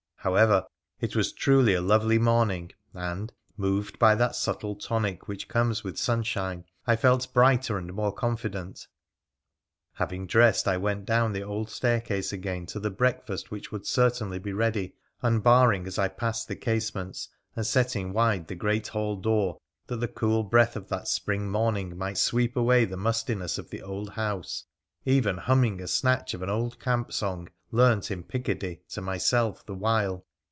However, it was truly a lovely morning, and, moved by that subtle tonic which comes with sunshine, I felt brighter and more confident. Having dressed, I went down the old staircase again to the breakfast which would certainly be ready, unbarring as I passed the casements and setting wide the great hall door, that the cool breath of that spring morning might sweep away the 284 WONDERFUL ADVENTURES OF mustiness of the old house, even humming a snatch of an old camp song, learnt in Picardy, to myself the while.